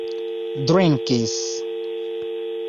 drinkis